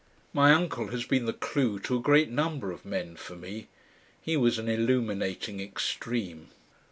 My uncle has been the clue to a great number of men for me. He was an illuminating extreme.